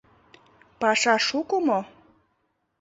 — Паша шуко мо?